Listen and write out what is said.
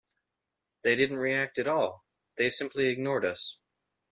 They didn't react at all; they simply ignored us.